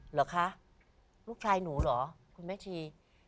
เหรอคะลูกชายหนูเหรอคุณแม่ชี